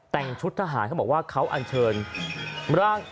แต่งชุดทหารเขาบอกว่าเขาอันเชิญร่าง